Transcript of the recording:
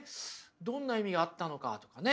どんな意味があったのか」とかね